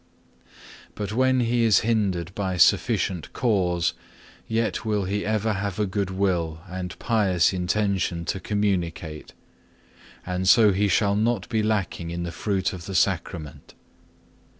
6. But when he is hindered by sufficient cause, yet will he ever have a good will and pious intention to communicate; and so he shall not be lacking in the fruit of the Sacrament.